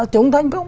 trốn thành công